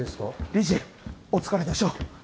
理事お疲れでしょう。